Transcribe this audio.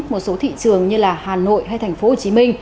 một số thị trường như hà nội hay tp hcm